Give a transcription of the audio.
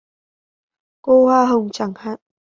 Cô hoa hồng chẳng hạn